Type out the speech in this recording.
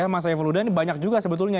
mas evel udhani banyak juga sebetulnya